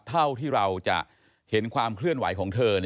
เท่าที่เราจะเห็นความเคลื่อนไหวของเธอ